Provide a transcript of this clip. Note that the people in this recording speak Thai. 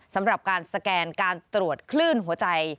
สำหรับการสแกนการตรวจคลื่นหัวใจ